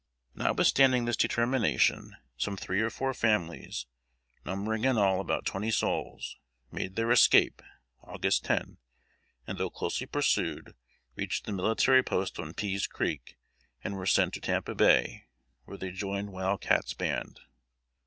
Notwithstanding this determination, some three or four families, numbering in all about twenty souls, made their escape (Aug. 10), and, though closely pursued, reached the military post on Pease Creek, and were sent to Tampa Bay, where they joined Wild Cat's band.